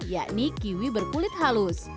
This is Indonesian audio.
yakni kiwi berkulit halus